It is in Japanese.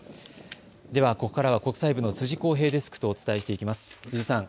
ではここからは国際部の辻浩平デスクとお伝えしていきます。